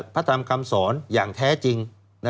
พระธรรมคำสอนอย่างแท้จริง